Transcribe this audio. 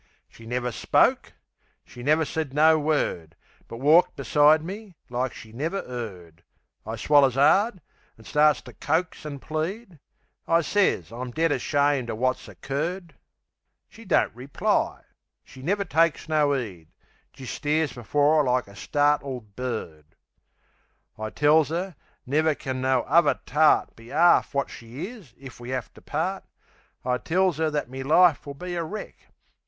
She never spoke; she never said no word; But walked beside me like she never 'eard. I swallers 'ard, an' starts to coax an' plead, I sez I'm dead ashamed o' wot's occurred. She don't reply; she never takes no 'eed; Jist stares before 'er like a startled bird. I tells 'er, never can no uvver tart Be 'arf wot she is, if we 'ave to part. I tells 'er that me life will be a wreck.